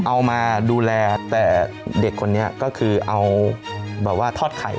เอามาดูแลแต่เด็กคนนี้ก็คือเอาแบบว่าทอดไข่